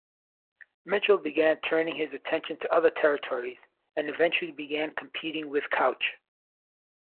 Mitchel began turning his attention to other territories, and eventually began competing with Couch.